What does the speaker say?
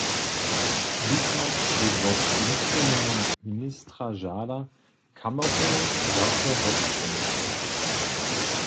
Lippmann sej wot nutřkowneho ministra žada, kameru zaso wotstronić.